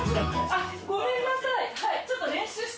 あごめんなさい。